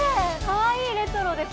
かわいい、レトロで。